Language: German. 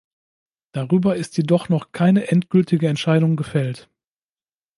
Darüber ist jedoch noch keine endgültige Entscheidung gefällt.